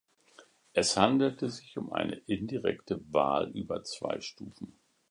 Es handelte sich um eine indirekte Wahl über zwei Stufen.